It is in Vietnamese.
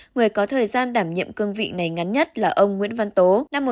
người có thời gian đảm nhiệm cương vị này ngắn nhất là ông nguyễn văn tố